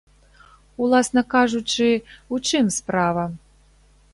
Уласна кажучы, у чым справа?